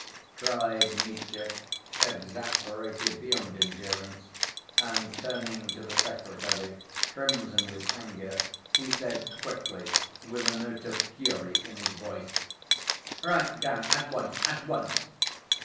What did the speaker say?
cried Mitya, exasperated beyond endurance, and turning to the secretary, crimson with anger, he said quickly, with a note of fury in his voice: "Write down at once ... at once